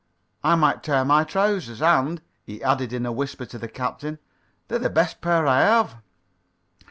"I might tear my trousers, and," he added in a whisper to the captain, "they're the best pair I have."